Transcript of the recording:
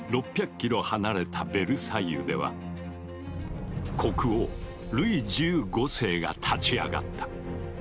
ｋｍ離れたヴェルサイユでは国王ルイ１５世が立ち上がった。